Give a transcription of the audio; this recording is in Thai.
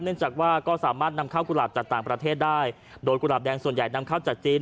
จากว่าก็สามารถนำข้าวกุหลาบจากต่างประเทศได้โดยกุหลาบแดงส่วนใหญ่นำเข้าจากจีน